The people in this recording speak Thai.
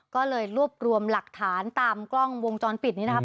ก็เลยรวบรวมหลักฐานตามกล้องวงจรปิดนี้นะครับ